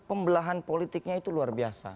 pembelahan politiknya itu luar biasa